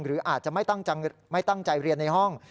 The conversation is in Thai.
หรืออาจจะไม่ตั้งใจเรียนในห้อง